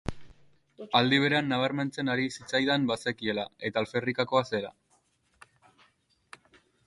Aldi berean nabarmentzen ari zitzaidan bazekiela, eta alferrikakoa zela.